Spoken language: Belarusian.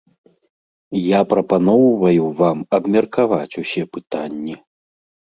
Я прапаноўваю вам абмеркаваць усе пытанні.